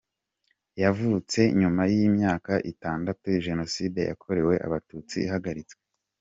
Yavutse nyuma y’imyaka itandatu Jenoside yakorewe Abatutsi ihagaritswe.